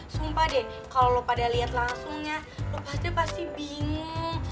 sumpah deh kalau lo pada lihat langsungnya lo pasti pasti bingung